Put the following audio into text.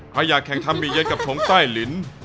ใครอยากแข่งทำบีเย็นกับชงใต้ลิ้น